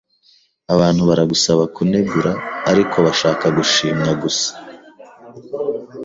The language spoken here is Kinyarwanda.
Abantu baragusaba kunegura, ariko bashaka gushimwa gusa.